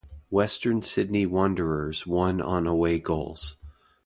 Western Sydney Wanderers won on away goals.